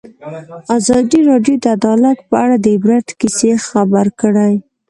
ازادي راډیو د عدالت په اړه د عبرت کیسې خبر کړي.